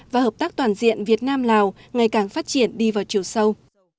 và hợp tác toàn diện việt nam lào ngày càng phát triển đi vào chiều sâu